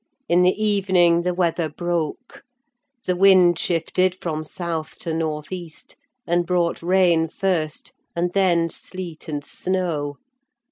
In the evening the weather broke: the wind shifted from south to north east, and brought rain first, and then sleet and snow.